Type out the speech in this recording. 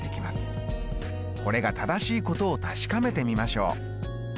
これが正しいことを確かめてみましょう。